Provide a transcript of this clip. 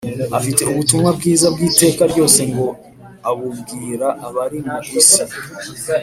afite ubutumwa bwiza bw’iteka ryose ngo abubwira abari mu isi,